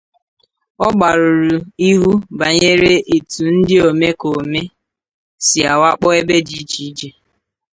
Ọ gbarụrụ ihu banyere etu ndị omekoome si awakpò ebe dị iche iche